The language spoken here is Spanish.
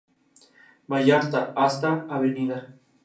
Vallarta" hasta "Av.